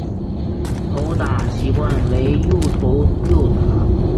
投打习惯为右投右打。